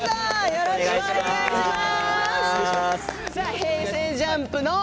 よろしくお願いします。